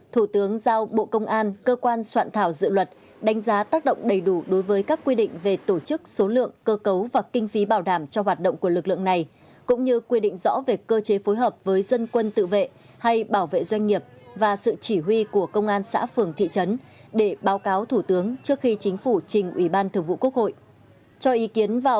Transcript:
thủ tướng giao bộ công an cơ quan soạn thảo dự luật đánh giá tác động đầy đủ đối với các quy định về tổ chức số lượng cơ cấu và kinh phí bảo đảm cho hoạt động của lực lượng này cũng như quy định rõ về cơ chế phối hợp với dân quân tự vệ hay bảo vệ doanh nghiệp và sự chỉ huy của công an xã phường thị trấn để báo cáo thủ tướng trước khi chính phủ trình ủy ban thường vụ quốc hội